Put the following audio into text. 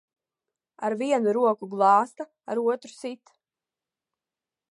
Ar vienu roku glāsta, ar otru sit.